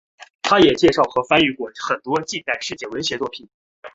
它也介绍和翻译过很多近代世界文学作品。